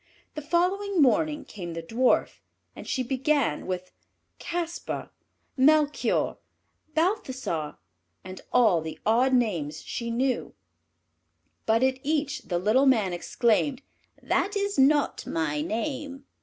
The following morning came the Dwarf, and she began with "Caspar," "Melchior," "Balthassar," and all the odd names she knew; but at each the little Man exclaimed, "That is not my name."